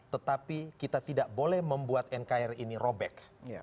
tetapi kita tidak boleh membuat nkri ini robek